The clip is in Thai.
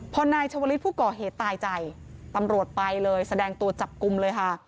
พอนายชวลิศผู้ก่อเหตุตายใจตำรวจไปเลยแสดงตัวจับกลุ่มเลยค่ะ